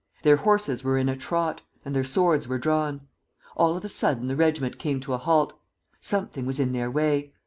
Their horses were in a trot, and their swords were drawn. All of a sudden the regiment came to a halt. Something was in their way.